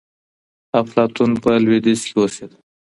افلاطون په لوېدیځ کي اوسېده.